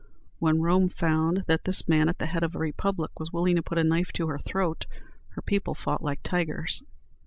When Rome found that this man at the head of a republic was willing to put a knife to her throat, her people fought like tigers.